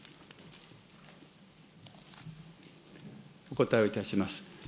お答えをいたします。